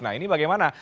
nah ini bagaimana